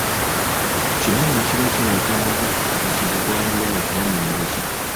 Kino nno kiba kiraga nga obuzibu bwaliwo mu kunoonyereza.